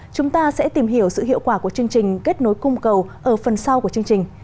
chúng ta sẽ tìm hiểu sự hiệu quả của chương trình kết nối cung cầu ở phần sau của chương trình